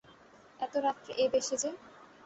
এত রাত্রে এ বেশে যে?